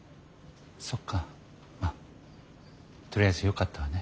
そっかまあとりあえずよかったわね。